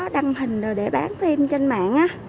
đăng hình rồi để bán thêm trên mạng